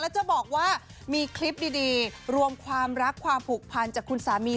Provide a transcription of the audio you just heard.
จะบอกว่ามีคลิปดีรวมความรักความผูกพันจากคุณสามี